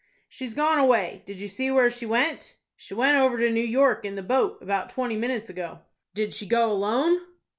"She's gone away. Did you see where she went?" "She went over to New York in the boat, about twenty minutes ago." "Did she go alone?"